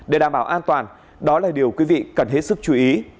để đảm bảo an toàn đó là điều quý vị cần hết sức chú ý